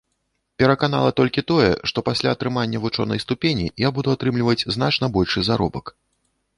Пераканала толькі тое, што пасля атрымання вучонай ступені я буду атрымліваць значна большы заробак.